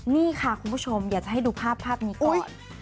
นี่ค่ะคุณผู้ชมอยากจะให้ดูภาพนี้ก่อน